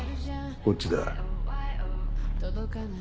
こっちだ。